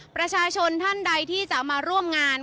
ประชาชนท่านใดที่จะมาร่วมงาน